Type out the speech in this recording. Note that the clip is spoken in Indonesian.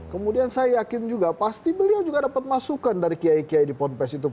kemudian saya yakin juga pasti beliau juga dapat masukan dari kiai kiai di ponpes itu